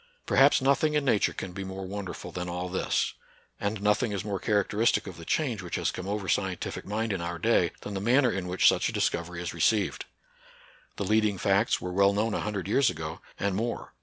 Perhaps nothing in Nature can be more won derful than all this ; and nothing is more char acteristic of the change which has come over scientific mind in our day than the manner in which such a discovery is received. The lead ing facts were well known a hundred years ago, and more.